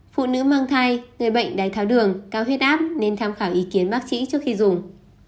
phụ nữ mang thai người bệnh đáy tháo đường cao huyết áp nên tham khảo ý kiến bác sĩ trước khi dùng